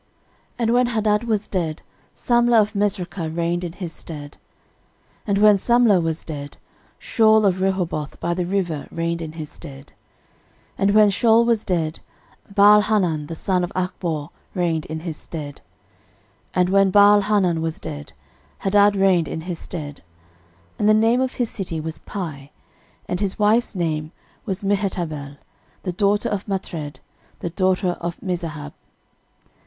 13:001:047 And when Hadad was dead, Samlah of Masrekah reigned in his stead. 13:001:048 And when Samlah was dead, Shaul of Rehoboth by the river reigned in his stead. 13:001:049 And when Shaul was dead, Baalhanan the son of Achbor reigned in his stead. 13:001:050 And when Baalhanan was dead, Hadad reigned in his stead: and the name of his city was Pai; and his wife's name was Mehetabel, the daughter of Matred, the daughter of Mezahab.